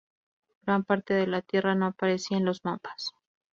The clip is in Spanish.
Gran parte de la tierra no aparecía en los mapas.